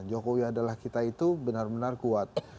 jokowi adalah kita itu benar benar kuat